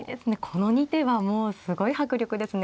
この２手はもうすごい迫力ですね。